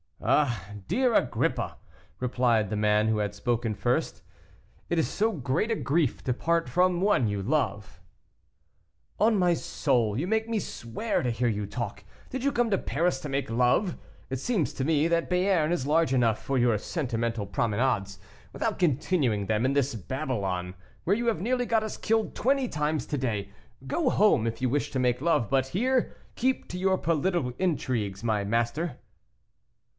"Ah, dear Agrippa," replied the man who had spoken first, "it is so great a grief to part from one you love." "On my soul, you make me swear to hear you talk! Did you come to Paris to make love? It seems to me that Béarn is large enough for your sentimental promenades, without continuing them in this Babylon, where you have nearly got us killed twenty times to day. Go home, if you wish to make love, but, here, keep to your political intrigues, my master."